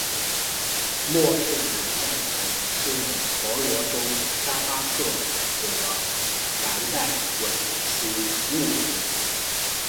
莫氏蓝带蚊是婆罗洲沙巴特有的的蓝带蚊属物种。